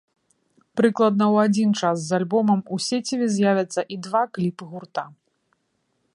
Прыкладна ў адзін час з альбомам у сеціве з'явяцца і два кліпы гурта.